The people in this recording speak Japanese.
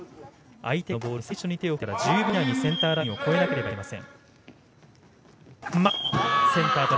相手からのボールに最初に手を触れてから１０秒以内にセンターラインを越えなければなりません。